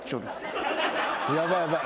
ヤバいヤバい。